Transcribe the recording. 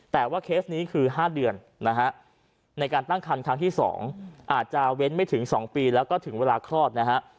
แต่ว่าเคสนี้คือ๕เดือนนะฮะในการตั้งคันครั้งที่๒อาจจะเว้นไม่ถึง๒ปีแล้วก็ถึงเวลาคลอดนะฮะ